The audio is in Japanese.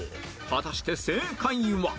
果たして正解は